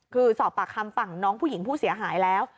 คือสอบปากคำฝั่งน้องผู้หญิงผู้เสียหายแล้ว